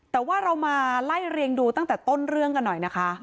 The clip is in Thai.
แต่ว่าเรามาไล่เรียงดูตั้งแต่ต้นเรื่องกันหน่อยนะคะ